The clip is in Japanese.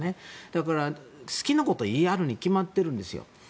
だから好きなことをやるに決まってるんですよ。